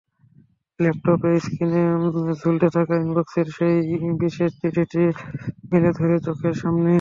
ল্যাপটপের স্ক্রিনে ঝুলতে থাকা ইনবক্সের সেই বিশেষ চিঠিটি মেলে ধরে চোখের সামনে।